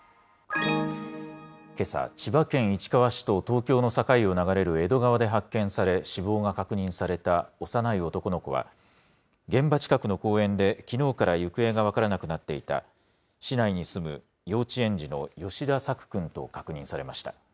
けさ、千葉県市川市と東京の境を流れる江戸川で発見され、死亡が確認された幼い男の子は、現場近くの公園で、きのうから行方が分からなくなっていた、市内に住む幼稚園児の吉田朔くんと確認されました。